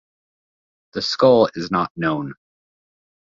The skull is not known.